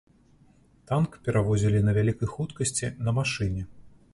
Танк перавозілі на вялікай хуткасці на машыне.